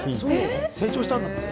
成長したんだって。